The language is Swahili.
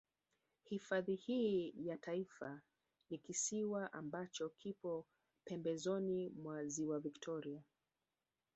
Hifadhi hii ya Taifa ni kisiwa ambacho kipo pembezoni mwa Ziwa Victoria